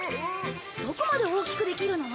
どこまで大きくできるの？